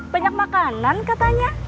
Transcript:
banyak makanan katanya